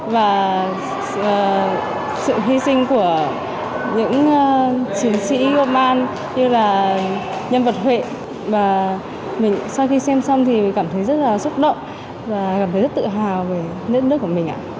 và sự hy sinh của những